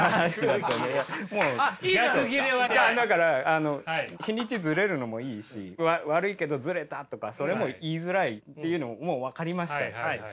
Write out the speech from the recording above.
だからあの日にちずれるのもいいし悪いけどずれたとかそれも言いづらいっていうのももう分かりました。